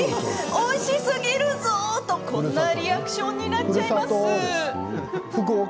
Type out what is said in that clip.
おいしすぎるぞ！と、こんなリアクションになっちゃいます。